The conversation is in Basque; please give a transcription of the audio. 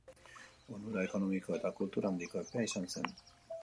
Onura ekonomiko eta kultural handiko epea izan zen.